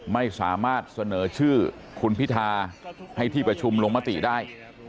ไม่สามารถเสนอชื่อคุณพิธาให้ที่ประชุมลงมติได้